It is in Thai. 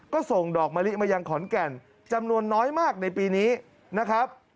ก็ส่งดอกมะลิมายังขอนแก่นจำนวนน้อยมากในปีนี้นะครับ